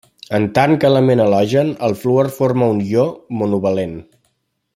En tant que element halogen, el fluor forma un ió monovalent.